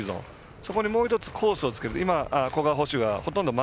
そこにもう１つ、コースをつけて。